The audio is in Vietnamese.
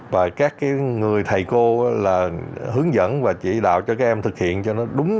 và các người thầy cô là hướng dẫn và chỉ đạo cho các em thực hiện cho nó đúng